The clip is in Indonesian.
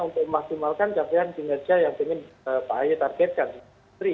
untuk memaksimalkan capaian pengerja yang ingin pak aye targetkan di industri